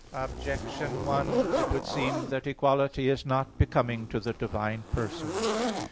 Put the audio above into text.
Objection 1: It would seem that equality is not becoming to the divine persons.